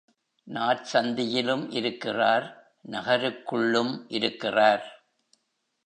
நாற்சந்தியிலும் இருக்கிறார் நகருக்குள்ளும் இருக்கிறார்.